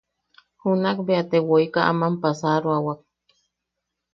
Junak bea te woika aman passaroawak.